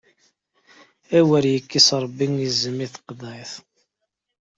Awer ikkes Ṛebbi izem i teqḍiɛt!